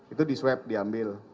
itu disweb diambil